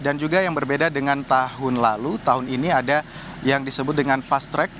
dan juga yang berbeda dengan tahun lalu tahun ini ada yang disebut dengan fast track